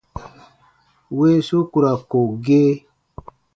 Weesu ku ra ko gee.